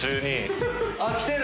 あっきてる！